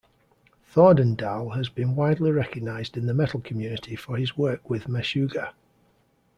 Thordendal has been widely recognized in the metal community for his work with Meshuggah.